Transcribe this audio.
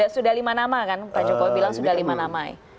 sudah lima nama kan pak jokowi bilang sudah lima nama